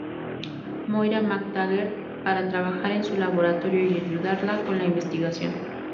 Moira MacTaggert, para trabajar en su laboratorio y ayudarla con la investigación.